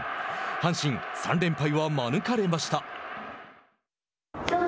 阪神、３連敗は免れました。